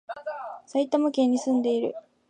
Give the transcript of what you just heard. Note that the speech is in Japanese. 埼玉県に住んでいる